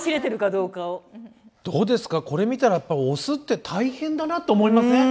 どうですかこれ見たらやっぱオスって大変だなと思いません？